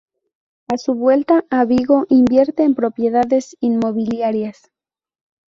A su vuelta a Vigo invierte en propiedades inmobiliarias.